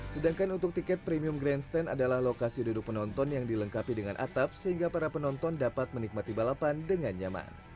sedangkan untuk tiket premium grandstand adalah lokasi duduk penonton yang dilengkapi dengan atap sehingga para penonton dapat menikmati balapan dengan nyaman